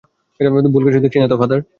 ভুল কিছু দেখছি নাতো, ফাদার?